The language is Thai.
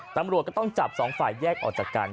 ตำรวจก็ต้องจับสองฝ่ายแยกออกจากกัน